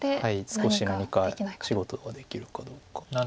少し何か仕事ができるかどうか。